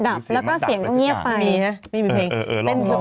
ดับแล้วก็เสียงต้องเงียบไปมีฮะมีมีเพลงเออเออเออลองลอง